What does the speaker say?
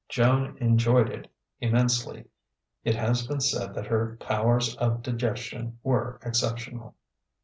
Joan enjoyed it immensely; it has been said that her powers of digestion were exceptional.